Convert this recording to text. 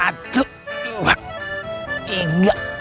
satu dua tiga